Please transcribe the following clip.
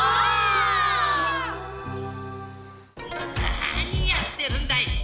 何やってるんだい！